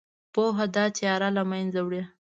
پوهه دا تیاره له منځه وړي.